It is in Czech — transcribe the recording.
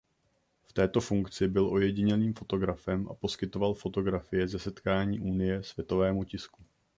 V této funkci byl ojedinělým fotografem a poskytoval fotografie ze setkání Unie světovému tisku.